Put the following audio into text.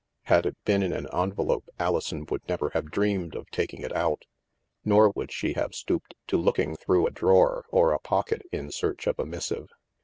Had it been in an envelope, Alison would never have dreamed of taking it out. Nor would she have stooped to looking through a drawer, or a pocket, in search of a missive.